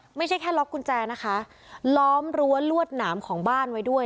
ไม่ใช่แค่ล็อกกุญแจนะคะล้อมรั้วลวดหนามของบ้านไว้ด้วย